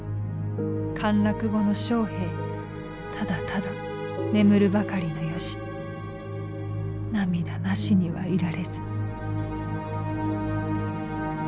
陥落後の将兵ただただ眠るばかりの由涙なしにはいられず」。